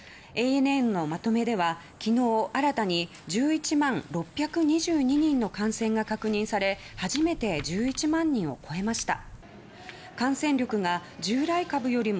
ＡＮＮのまとめでは昨日、新たに１１万６２２人の感染が確認され初めて１１万人を超えました。